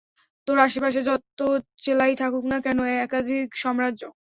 তোর আসেপাশে যত চেলাই থাকুক না কেন, একাদিক সাম্রাজ্য।